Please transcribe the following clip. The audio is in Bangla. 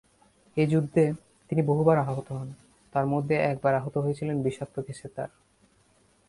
এই যুদ্ধে তিনি বহুবার আহত হন, তার মধ্যে একবার আহত হয়েছিল বিষাক্ত গ্যাসের দ্বারা।